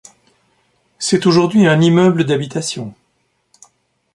C'est aujourd'hui un immeuble d'habitations.